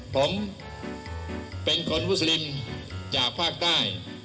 ผมเป็นคนมุสลิมจากภาคใต้